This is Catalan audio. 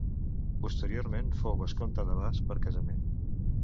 Posteriorment fou vescomte de Bas per casament.